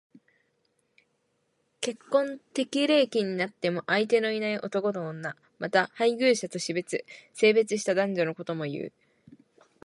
結婚適齢期になっても相手のいない男と女。また、配偶者と死別、生別した男女のことも言う。